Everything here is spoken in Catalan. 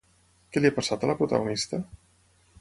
Què li ha passat a la protagonista?